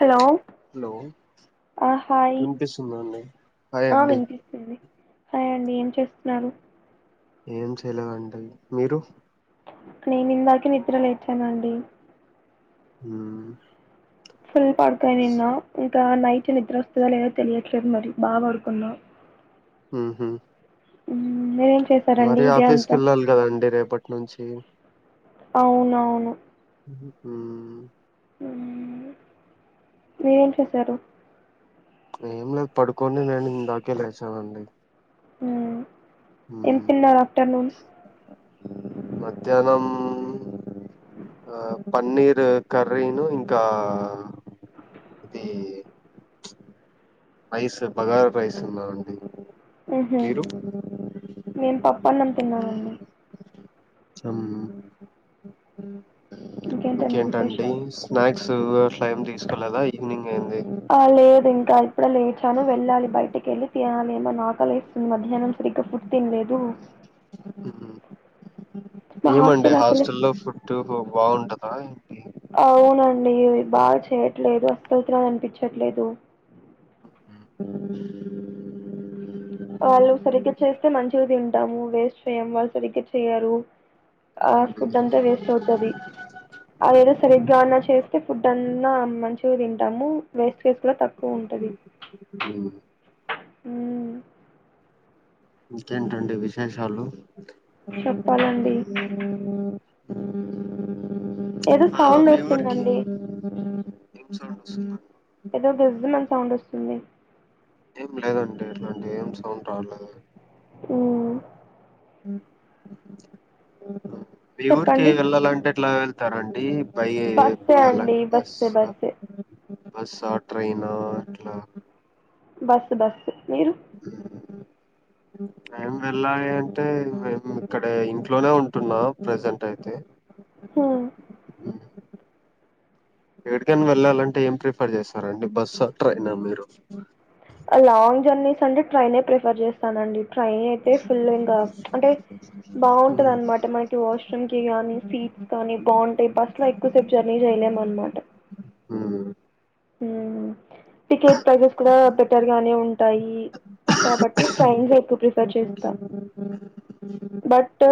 Hello hello hi వినిపిస్తుందండి hi ఆ అండి వినిపిస్తుంది హయ అండి ఏం చేస్తున్నారు ఏం చేయలేదండి మీరు నేను ఇందాకే నిద్ర లేచాన అండి హ్మ్ ఫుల్ పడుకనిన్న ఇంకా నైట్ నిద్ర వస్తుదో లేదో తెలియట్లేదు మరి బాగా పడుకుందావు ఆహా మీరేం చేశారండి మరిీ డే ఆఫీస్ క అంతా వెళ్ళాలి కదాండి రేపటి అ నుంచి అవునవును మ్మ్ మీరేం చేశారు ఏం లేదు పడుకోంని నేను ఇందాకే లేచానండి అ ఏం మ్మ్ తిన్నారు ఆఫ్టర్నూన్ మధ్యాహ్నం ఆ ఆ పన్నీర్ కర్రీను ఇంకా ఇది రైస్ బగార్ రైస్ ఉందా అండి ఉహ మేము పప్పన్నం తిన్నామండి మ్మ్ ఇంకేంటండి స్నాక్స్ టలైమ్ తీసుకోలేదా ఈవినింగ్ అయింది ఆ లేదు ఇంకా ఇప్పుడ లేట్ తను వెళ్ళాలి బయటికి వెళ్ళి తినాలి ఏమన్నా ఆకలి మధ్యాహ్నం సరిగ్గా ఫుడ్ తినలేదు మ్మ్ మా ఏమండి హాస్టల్ అసలే హాస్టల్లో ఫుడ్ బాగుంటదా ఏంటి అవునండి బాగా చేయట్లేదు అస్తలత్రరాని అనిపించట్లేదు వాళ్ళు సరిగ్గా చేస్తే మంచిగా తింట ము వేస్ట్ చెయ్యం వాళ్ళు సరిగ్గా చెయ్యరు ఆ ఫుడ్ అంతా వేస్ట్ అవుతుది అదేదో సరిగ్గా అన్నా చే అ ఫుడ్ అన్నా మంచిగా తింట ము వేస్ట్ చేసిన తక్కువ ఉంటది ఉమ్. హ ఇంకేంటండి విశేషాలు చెప్పాలండి. ఏదో ఆ ఆ సౌండ్ మీఊర్కి వస్తుందండి. స ఏదో గజ మన్ సౌండ్ వస్తుంది సున్న ఏం లేదండి ఎట్లాంటి ఏం సౌండ్ రాలలేదు అ మీ ఊరికి చెప్పండి వెల్లలా అంటే ఎట్లా వెళ్తారండి పై బస్సే అలా అండి బస్ బస్సే బస్సే బస్ ఆ ట్రైనా ఇట్లా బస్ బస్ ఏ వెళ్ళాలి అంటే మేము ఇక్కడ ఇంట్లోనే ఉంటున్నా ప్రెజెంట్ అయితే హ్మ్ ఎక్కడికైనా వెళ్ళాలంటే ఏం ప్రిఫర్ చేస్తార అంటే బస్సు ట్రైనా మీరు లాంగ్ జర్నీస్ అంటే ట్రైనే ప్రిఫర్ చేస్తానండి ట్రైన్ అయితే ఫుల్ ఇంకా అంటే ఉమ్. బాగుంటది అనమాట మనకి వాష్రూమ్ కి నీ సీట్స్ కానీ బాగుంటాయి బస్ లో ఎక్కువసేపు జర్నీ చేయలేము అనమాట హ టికెట్ ప్రైజెస్ కూడా బెటర్ గానే ఉంటాయి కాబట్టి ట్రైన్ ర బట్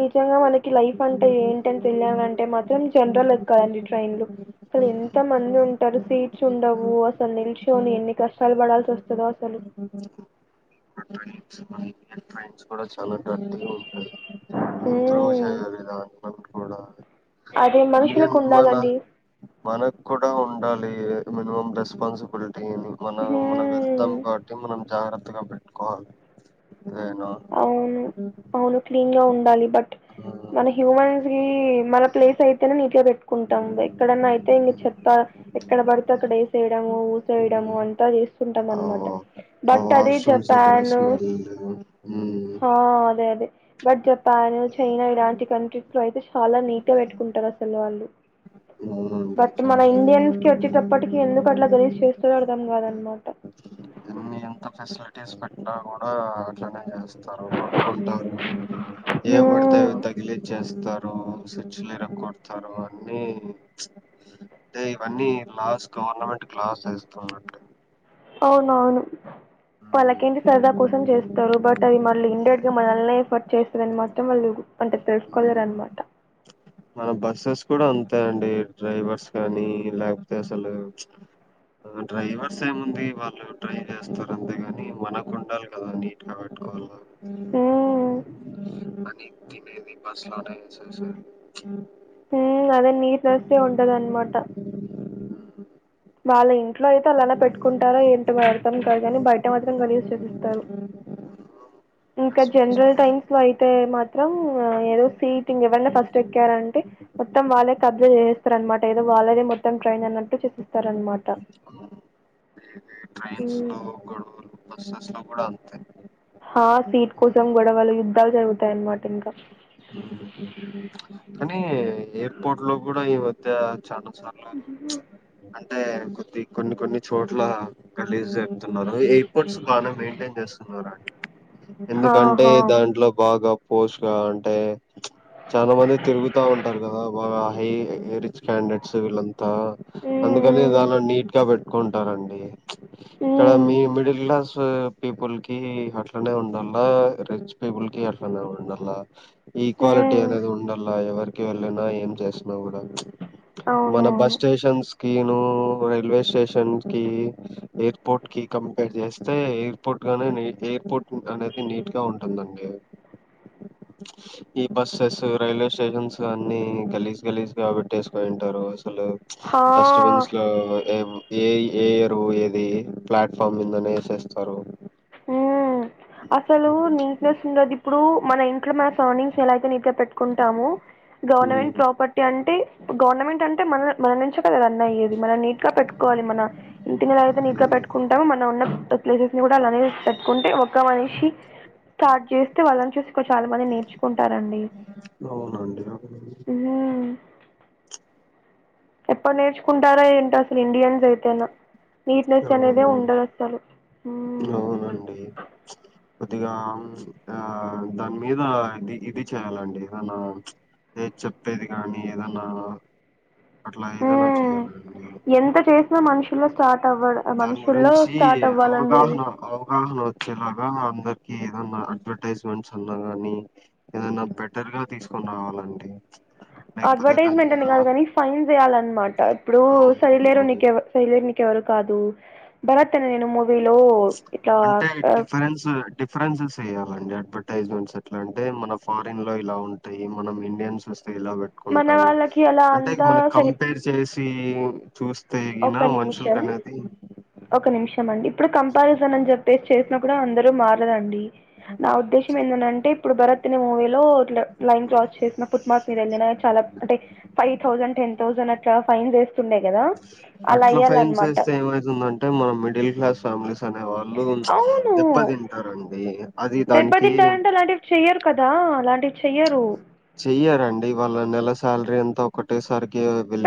నిజంగా మనకి లైఫ్ అంటే ఏంటని తెలియాలంటే మాత్రం జనరల్ కదండి ట్రైన్లు అలు ఎంత మంది ఉ సీట్స్ ఉండవు అసలు నిలిచిని ఎన్ని కష్టాలు పడాల్సి వస్తుందో అసలు ట్రైన్స్ కూడా చాలా డర్ట్ గా ఉంటుంది ఇప్రూవ్ హ్మ్. చ పట్కోడా అదే ము మనుషులకు మన ఉండాలండి. మనకు కూడా ఉండాలి మ రెస్పసిబలి మనం మనం హ్మ్. వెళ్తాం కాబట్టి మనం జాగ్రత్త పకా పెట్కోల అనా క్లీన్ గా ఉండాలి బట్ మన హ్యూమన్స్ మన ప్లేస్ అయితే నీట్ గా పెట్టుకుంటాం ఎక్కడన్నా అయితే ఇం చెప్పా ఎక్కడ పడితే అక్కడ వేసేయడ చసేయడము అంతా చేస్తుంటాం అనమాట ఆశ్రంసకర స్మెల్ అవునండి హ అదే అదే బట్ జపాన్ చైనా ఇలాంటి కంట్రీస్ లో అయితే చాలా నీట్గా పెట్టుకుంటారు అసలు వాళ్ళు బట్ మన చాలా ఇండియన్స్ కి వచ్చేటప్పటికి ఎందుకు అట్లా కలీజ చేస్త అర్థం కాదనమాట ఎన్ని ఫెసిలిటీస్ పెట్టినా కూడా అలనే చేస్త కట్కుంటారు ఏ పడతాయ హ్మ్ అవి తగిలించేస్తారు చ్ కొడతారు అన్న అంటే ఇవన్నీ లాస్ గవర్నమెంట్ లాస్ తెస్తుంటారు అవునవును వాళ్ళకిటి సరదా కోసం చేస్తారు బట్ అది మళ్ళీ ఇండెట్ గా మనళ్ల్నఎఫర్ట్ చేస్తారు అనమాట ఇష్టమే లేదు అంటే తెలుసుకోలేరనమాట మన బస్సెస్ కూడా అంతే అండి డ్రైవర్స్ కానీ లేకపోతే అసలు డ్రైవర్స్ ఏముంది వాళ్ళు ట్రై చేస్తారు అంతేగాని మనకు ఉండాలి కదా నీట్ గా పెట్టుకోవాలి హ్మ్ అ తినది బస్లాడా స స ఆ హ అదే నీటినెస్ గా ఉంటదానమాట అ వాళ్ళ ఇంట్లో అయితే అలానే పెట్టుకుంటారా ఏంటి అర్థం కాదు కాని బయట మాత్రం గళ్లీజ్ చేసేస్తారు ఇంకా జనరల్ రెస్పాన్సిబిలిటీ టైమ్స్ లో అయితే అతే మాత్రం ఏదో సీటింగ్ ఎవరినా ఫస్ట్ వచ్చారంటే మొత్తం వాళ్ళే కబ్జా చేస్తార అనమాట ఏదో వాళ్ళద మొత్తం ట్రైన్ అన్నట్టు చేసిస్తార అనమాట ఊమ్ బసస్ లో కూడా అంతే ఆ సీట్ కోసం గొడవలు యుద్ధాలు జరుగుతాయ అన్నమాట ఇంకా ఉమ్. కానీ ఎయిర్పోర్ట్ లో కూడా ఈ మధ్య చాల ఊహ్మ్ అంటే కొద్ది కొన్ని కొన్ని చోట్ల గల్లీజ్ అతున్నారు ఎయిర్పోర్ట్స్ బానే మెయింటైన్ చేస్తున్నారు అండి హా! ఎందుకంటే హా! దాంట్లో బాగా పోష్గా అంటే చాలా మంది తిరుగుతా ఉంటారు కదా బాగా హై హై రిచ్ క్యాండిడేట్స్ వీళ్లంతా అందుకనే హ్మ్. దానీలో నీట్ గా పెట్ట కొంటారండి హ్మ్. తరువాత హ్మ్. మీ మిడిల్ క్లాస్ పీపుల్ కి అట్లనే ఉండాల్లా రిచ్ పీపుల్ కి అట్లనే ఉండాల ఈక్వాలిటీ హ్మ్. అనేది ఉండాలి ఎవర్ కి వెళ్ళనా ఏం చేసిన కూడా మన బస్ అవునవును. స్టేషన్ స్కను రైల్వే స్టేషన్ కి ఎయిర్పోర్ట్ కి కంపేర్ చేస్తే ఎయిర్పోర్ట్ గానే ఎయిర్పోర్ట్ అనేది నీట్ గా ఉంటుందండి ఈ బస్సెస్ రైల్వే స్టేషన్స్ అన్ని గలీజ్ గలీజ్ గా పెట్టేసుకొని ఉంటారు హలో డస్ట్ హా! బిన్స్ లో ఏ ఏ ఏ ఇయర్ పోయేది ప్లాట్‌ ఫామ్ మిందనే వేసేస్తారు ఉ అసలు నీట్నెస్ ఉండది ఇప్పుడు మ సేన్‌ ఇంట్లో మా సరౌండింగ్స్ ఎలాయితే నీటిగా పెట్టుకుంటాము హ్మ్ గవర్నమెంట్ ప్రాపర్టీ అంటే గవర్నమెంట్ అంటే మన మనం నుంచి కదా రన్ అయ్యేది మనం నీట్ గా పెట్టుకోవాలి మన ఇంటిని ఎలాగ అయితే నీట్ గా హ్మ్ పెట్టుకుంటామో మన ఉ ప్లేసెస్ ని కూడా అలానే పెట్టుకుంటే ఒక ఒక మనిషి స్టార్ట్ చేస్తే వాళ్ళని చూసి చాలా మంది నేర్చుకుంటారండి అవునండి అవునండి ఊ ఎప్పుడు నేర్చుకుంటారో ఏంటో అసలు ఇండియన్స్ అయితేనా నీట్నెస్ అనేదే అవునండి ఉండదు అసలు ఊ అవునండి కొద్దిగా ఆ దాని మీద ఇది ఇది చేయాలండి ఏ చెప్పేది కానీ ఏదైనా ఉ చేయాలండి ఎంత చేసినా మనుషుల్లో స్టార్ట్ అవ్వడ దాని మనుషుల్లో గురించి స్టార్ట్ అవ్వాలండి ఇది. అవగాహన అవగాహన వచ్చేలాగా అందరి ఏదన్నా అడ్వర్టైజ్మెంట్స్ అన్నా గాని ఏదనా బెటర్ గా తీసుకొని రావాలండి లేకపోతే దాని అడ్వర్టైజ్మెంట్ మీద అని కాదు కాని ఫైన్స్ వేయాలి అ న్నమాట ఇప్పుడు సరిలేరు అవునవునవును నీకెవ్వరు ఎవరు కాదు భరత్ అనే నేను మూవీలో ఇట్లా అంటే ఆహ్, డిఫరెన్స్ డిఫరెన్స్ చెయాలండి అడ్వర్టైజ్మెంట్స్ ఎట్లా అంటే మన ఫారిన్ లో ఇలా ఉంటాయి మనం ఇండియన్స్ వ ఇలా మన పెట్టుకుంటాము వాళ్ళకి అలా అంటే ఇ అంతా మనం కంపేర్ చేసి తీ చుస్తే ఒక నిమిషం ఒక నిమిషం మండి ఇప్పుడు కంపారిజన్ అని చెప్పేసి చేసిన కూడా అందరూ మార్ ద అండి నా ఉద్దేశ్యం ఏందనీ అంటే ఇప్పుడు భరత్ అనే మూవీలో ట్లా లైన్ క్రాస్ చేసిన ఫుట్పాత్ మీద వెళ్ళిన చాలా అంటే ఫైవ్ థౌసండ్ టెన్ థౌసండ్ అట్లా ఫైన్ వేస్తుండే కదా అట్లా ఫైన్ చేస్తే ఏమైతుందంటే మన మిడిల్ క్లాస్ ఫ్యామిలీ అనే వాళ్ళు దెబ్బ తింటారండి దెబ్బ తింటారంటే అలాంటివి చెయ్యరు కదా అలాంటివి చెయ్యరు ఈయ్యారండి వాళ్ళ నెల సాలరీ అంతా ఒకటేసారి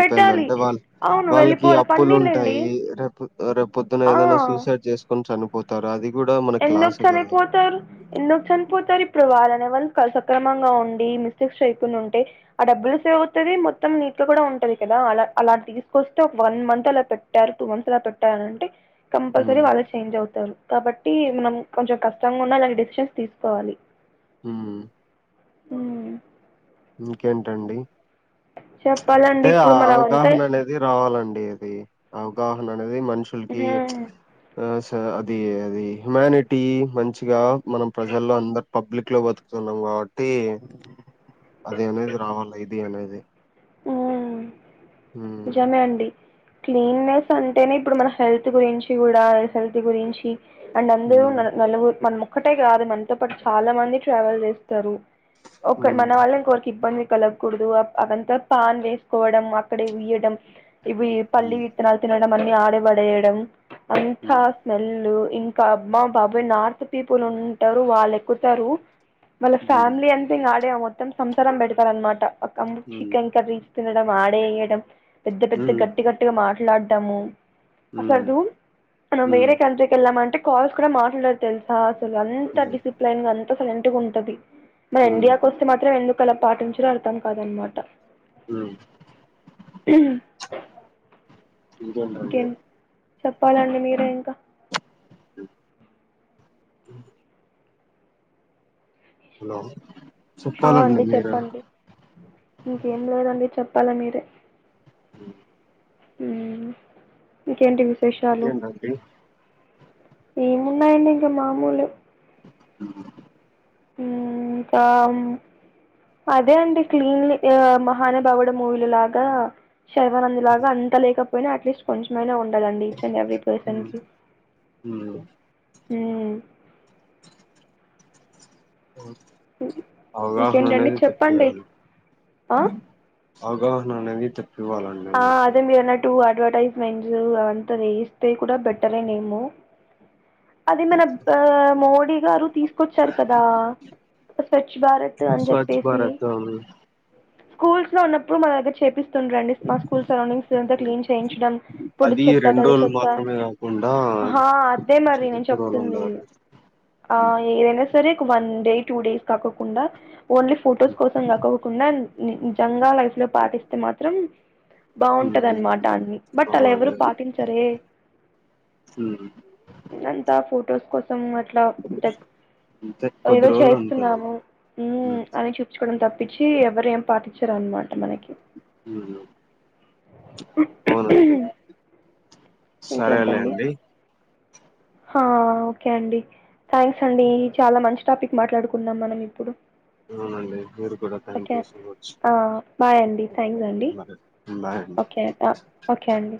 పెట్టాలి. వాళ అవును వాళ్ళకి వెళ్ళిపోవాలి. అప్పులు పన్నీలండి. ఉంటాయి రేపు రే ఆ అది గూడా మనకి ఎందుకు లాసే గదా! చనిపోతారు ఎందుకు చనిపోతారు ఇప్పుడు వారం వ సక్రమంగా ఉండి మిస్టేక్స్ అయికుండా ఉంటే ఆ డబ్బులు సేవ అవుతుది మొత్తం నీట్ లో కూడా ఉంటంది కదా అలా అలా తీసుకొస్తే ఒక వన్ మంత్ అలా పెట్టారు టూ మంత్స్ అలా పెట్టారు అని అంటే కంపల్సరీ హ్మ్. వాళ్ళే చేంజ్ అవుతారు కాబట్టి టి మనం కొంచెం కష్టంగా ఉన్నా అలాంటి డెసిషన్స్ తీసుకోవాలి ఉమ్ ఉమ్ ఇంకేంటండి చెప్పాలండి అంటే ఆ ఇప్పుడు మనం అంతా అవగాహన అనేది రావాలండి అది అవగాహన అది మనషుల్కి ఆ అది అది హ్యుమానిటీ మంచిగా మనం ప్రజల్లో అందరు పబ్లిక్ లో బతుకుతున్నాం కాబట్టి అది అనేది రావాలి ఇది అనేది ఉమ్ హ్మ్. నిజమే అండి క్లీన్నెస్ అంటేనే ఇప్పుడు మన హెల్త్ గురించి గుడా హెల్త్ గురించి అండ్ అందరూ హ్మ్. నలుగురు మనము ఒక్కటే కాదు మనతో పాటు చాలా మంది ట్రావెల్ చేస్తారు ఒక్క మన హ్మ్. వళ్ళ ఇంకోరికి ఇబ్బంది కలగ్కూడదు అదంతా పాన్ వేసుకోవడం అక్కడే ఉయ్యడం ఇవి పల్లీ హ్మ్. విత్తనాల్ తిన మన్నీ ఆడబడేయడం అంత హ్మ్. స్మెల్ ఇంకా అమ్మా బాబాయ్ నార్త్ పీపుల్ ఉంటారు వల్లెక్కుతరు వాళ్ళ హ్మ్ ఫ్యామిలీ అంత ఇగ మొత్తం సంసారం పెడతారన్నమాట పక్క హ్మ్ చికెన్ కర్రీ తినడం ఆడే ఎయ్య డం పెద్ద పెద్ద హ్మ్ గట్టి గట్టిగా మాట్ మాట్లాడ్డము హ్మ్ అసలు మనం వేరే హ్మ్ కంట్రీకీ వెళ్తామా అంటే కాల్స్ కూడా మాట్లాడదు తెల్సా అంత హ్మ్ డిసిప్లన్ అంత్ అసల్ ఎంటి ఉంటది మరి హ్మ్ ఇండియా కొస్తే మాత్రం ఎందుక్ క్కలా పాటించరో అర్థం కాదనమాట హ్ ఇంకేంటండి ఇంకేం చెప్పాలండి మీరే ఇంకా హ హలో ఆ చెప్పాలండి అండి మీరే చెప్పండి ఇంకేం లేదండి చెప్పాల మీరే ఇంకేంటి వి ఇకేందండి ఏమున్నాయండి ఇంకా మామూలు అ ఇంకా అదే అండి క్లీన్లీ మహాన బావిడ మూవీలు లాగా శైవనంద్ లాగా అంత లేక యి అట్లీస్ కొంచైనా ఉ డి ఈచ్ అండ్ ఎవీ హ్మ్ పర్సన్కి హ్మ్ అవగాహన ఇంకేంటండి అనేది చెప్పండి తెప్పేయాలి ఆ అవగాహన అనేది తెప్పివ్వాలండి ఆ అందరికి అదే మీరున్నటు అడ్వర్టైజ్మెంట్స్ అంతా చేయిస్తే కూడా బెట్టర నేము అది మన మోడీ గారు తీసుకొచ్చారు కదా స్వచ్ఛ భారత్ అని స్వచ్ఛ్ చెప్పేసి భారత్ అని స్కూల్స్ లో ఉన్నప్పుడు మన దగ్గర చేపిస్తుండ్రండి మా స్కూల్ సరౌండింగ్స్ ఏ క్లీన్ చేయించడం పొడి అది చెత్తా రెండు తడి రోజులు చెత్తా మాత్రమే కాకుండా అదే మరి చాలా నేను ఎక్కువ రోజులు చెప్తుంది ఉండాలి ఏదైనా సరే ఒక వన్ డే టూ డేస్ కాకుండా ఓన్లీ ఫొటోస్ కోసం కాకవకుండా నీజంగా లైఫ్ లో పాటిస్తే మాత్రం బాగుంటది హ్మ్ అనమాట అన్ని బట్ అలా ఎవరు అవునండి పాటించరే హ్మ్ అంతా ఫొటోస్కిస్త అట్లా అంతే కొద్ది ఏదో రోజులు అంతే అండి చేస్తున్నాము హ్మ్ అని చూసుుకోవడం తప్పించి ఎవర ఏం పాటించారున్నమాట మనకి ఉ అవునండి ఇంకేంటండి సరేలేండి ఓకే అండి థ్యాంక్స్ అండి చాలా మంచి టాపిక్ మాట్లాడుకున్నాం మనం ఇప్పుడు అవునండి మీరు కూడా thank okay you so much ఆ, బాయ్ అండి థ్యాంక్స్ అండి బ బాయ్ అండి ఓకే ఆ, ఓకే అండి